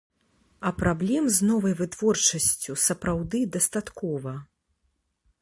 А праблем з новай вытворчасцю, сапраўды, дастаткова.